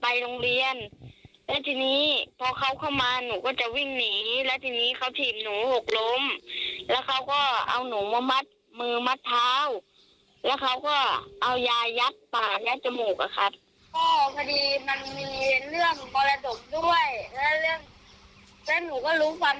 พอพอดีมันมีเรื่องประตูดูด้วยและเรื่องหนูก็รู้ฟันนักเขาเยอะด้วย